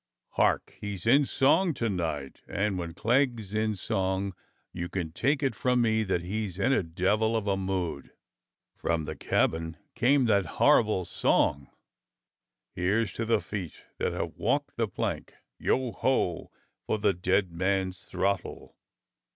Hark! he's in song to night, and when Clegg's in song, you can take it from me that he's in a devil of a mood." From the cabin came that horrible song: " Here's to the feet wot have walked the plank. Yo ho! for the dead man's throttle."